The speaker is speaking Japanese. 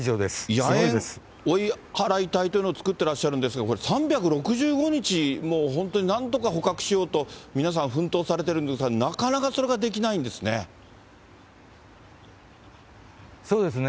野猿追い払い隊というのを作ってらっしゃるんですけれども、これ、３６５日、もう本当になんとか捕獲しようと、皆さん奮闘されてるんですが、なかなかそれができないんですね。